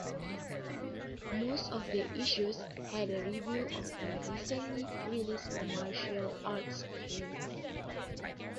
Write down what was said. Most of the issues had a review of a recently released martial arts film.